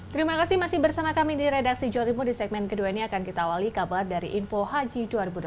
terima kasih masih bersama kami di redaksi jawa timur di segmen kedua ini akan kita awali kabar dari info haji dua ribu delapan belas